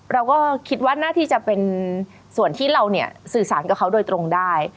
เราก็คิดว่าหน้าที่จะเป็นส่วนที่เราเนี่ยสื่อสารกับเขาโดยตรงได้